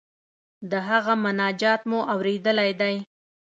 د هغه مناجات مو اوریدلی دی.